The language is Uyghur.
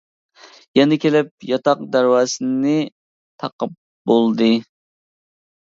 يەنە كېلىپ ياتاق دەرۋازىسىنى تاقاپ بولدى.